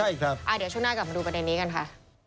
ใช่ครับอ่าเดี๋ยวช่วงหน้ากลับมาดูประเด็นนี้กันค่ะ